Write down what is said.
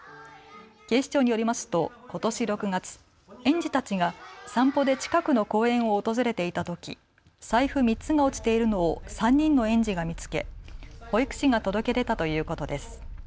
警視庁によりますとことし６月、園児たちが散歩で近くの公園を訪れていたとき、財布３つが落ちているのを３人の園児が見つけ保育士が届け出たということです。